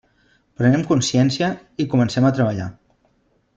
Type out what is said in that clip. Prenem consciència i comencem a treballar.